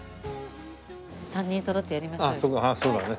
３人そろってやりましょうよ。